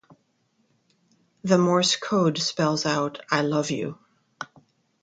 The morse code spells out "I love you".